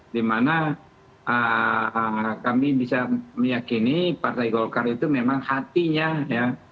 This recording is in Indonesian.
dimana kami bisa meyakini partai golkar itu memang hatinya ya